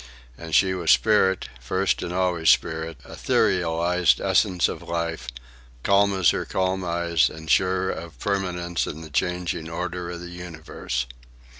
And she was spirit, first and always spirit, etherealized essence of life, calm as her calm eyes, and sure of permanence in the changing order of the universe.